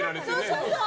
そうそう。